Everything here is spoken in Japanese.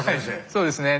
そうですね。